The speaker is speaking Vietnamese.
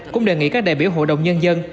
cũng đề nghị các đại biểu hội đồng nhân dân